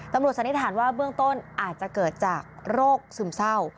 สันนิษฐานว่าเบื้องต้นอาจจะเกิดจากโรคซึมเศร้า